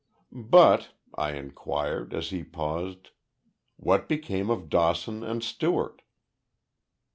"But," I inquired, as he paused, "what became of Dawson and Stewart?"